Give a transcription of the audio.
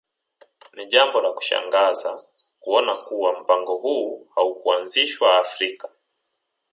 Ni jambo la kushangaza kuona kuwa mpango huu haukuanzishwa Afrika